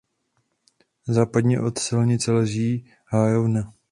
Západně od silnice leží "hájovna".